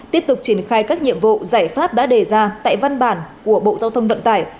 tiếp tục triển khai các nhiệm vụ giải pháp đã đề ra tại văn bản của bộ giao thông vận tải